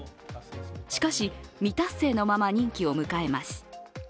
しかし、未達成のまま任期を迎えます。